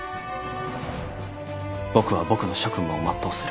僕は僕の職務を全うする。